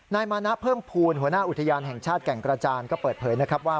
นายมานะเพิ่มภูมิหัวหน้าอุทยานแห่งชาติแก่งกระจานก็เปิดเผยนะครับว่า